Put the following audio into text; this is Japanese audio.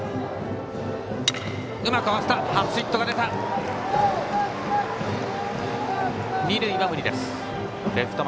初ヒットが出ました。